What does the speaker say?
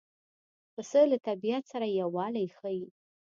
پسه له طبیعت سره یووالی ښيي.